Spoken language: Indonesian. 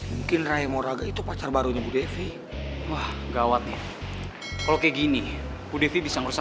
mungkin raya moraga itu pacar barunya bu devi wah gawat nih kalau kayak gini bu devi bisa ngerusak